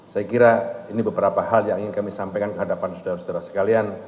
saya kira ini beberapa hal yang ingin kami sampaikan ke hadapan saudara saudara sekalian